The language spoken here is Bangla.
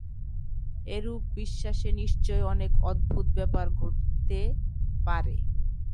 এইরূপ বিশ্বাসে নিশ্চয় অনেক অদ্ভুত ব্যাপার ঘটিতে পারে।